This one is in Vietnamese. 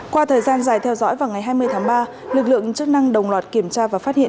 qua thời gian dài theo dõi vào ngày hai mươi tháng ba lực lượng chức năng đồng loạt kiểm tra và phát hiện